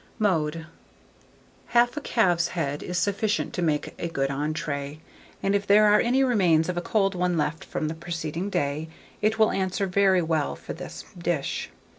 Mode. Half a calf's head is sufficient to make a good entrée, and if there are any remains of a cold one left from the preceding day, it will answer very well for this dish.